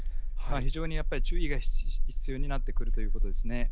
非常にやっぱり注意が必要になってくるということですね。